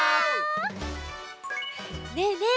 ねえねえ